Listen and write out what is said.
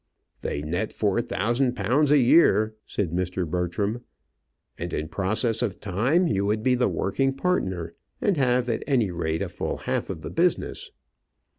"They net four thousand pounds a year," said Mr. Bertram; "and in process of time you would be the working partner, and have, at any rate, a full half of the business."